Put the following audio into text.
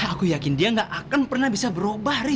aku yakin dia gak akan pernah bisa berubah